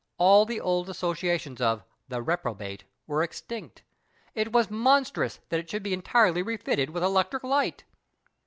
All the old associations of The Reprobate were extinct. It was monstrous that it should be entirely refitted with electric liglit.